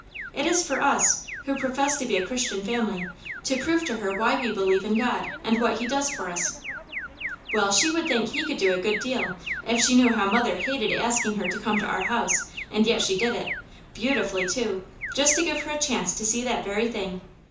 It is for us, who profess to be a Christian family, to prove to her why we believe in God, and what He does for us." "Well, she would think He could do a good deal, if she knew how mother hated asking her to come to our house; and yet she did it, beautifully too, just to give her a chance to see that very thing.